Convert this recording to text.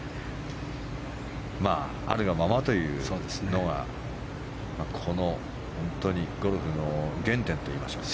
あるがままというのがこのゴルフの原点といいましょうか。